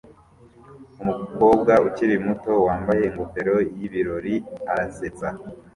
Umukobwa ukiri muto wambaye ingofero y'ibirori arasetsa